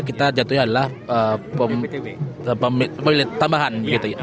kita jatuhnya adalah tambahan